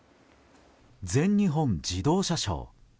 「全日本自動車ショー」。